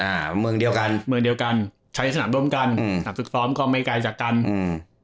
อ่าเมืองเดียวกันเมืองเดียวกันใช้สนามร่วมกันอืมแต่ฝึกซ้อมก็ไม่ไกลจากกันอืม